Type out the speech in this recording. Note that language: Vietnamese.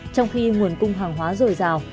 trong khi nguồn cung hàng hóa dồi dào